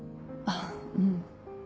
あっうん。